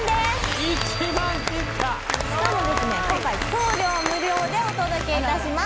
１万切ったしかもですね今回送料無料でお届けいたします